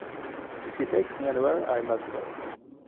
If he takes me anywhere, I must go.